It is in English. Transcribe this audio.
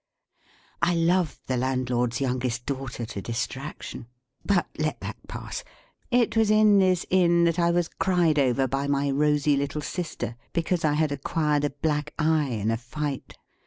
I loved the landlord's youngest daughter to distraction, but let that pass. It was in this Inn that I was cried over by my rosy little sister, because I had acquired a black eye in a fight.